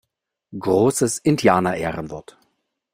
Großes Indianerehrenwort!